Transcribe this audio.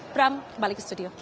pram balik ke studio